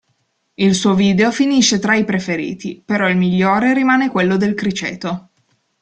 Il suo video finisce tra i preferiti, però il migliore rimane quello del criceto.